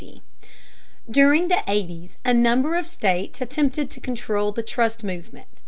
During the eighties a number of states attempted to control the trust movement.